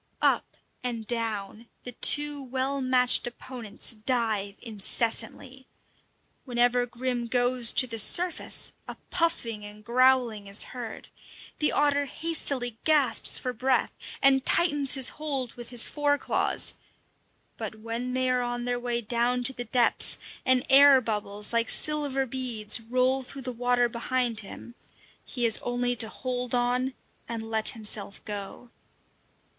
Up and down, the two well matched opponents dive incessantly. Whenever Grim goes to the surface, a puffing and growling is heard. The otter hastily gasps for breath, and tightens his hold with his fore claws; but when they are on their way down to the depths, and air bubbles, like silver beads, roll through the water behind him, he has only to hold on and let himself go.